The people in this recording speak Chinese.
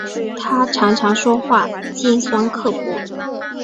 她常常说话尖酸刻薄